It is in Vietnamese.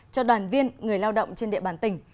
cho đoàn viên người lao động trên địa bàn tỉnh